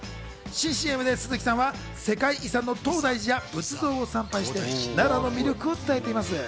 新ＣＭで鈴木さんは世界遺産の東大寺や仏像を参拝して奈良の魅力を伝えています。